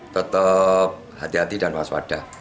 tetap hati hati dan waspada